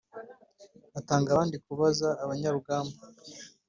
Atanga abandi kubaza abanyarugamba